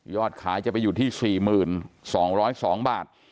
ขายจะไปอยู่ที่๔๒๐๒บาท